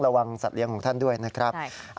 สัตว์เลี้ยงของท่านด้วยนะครับ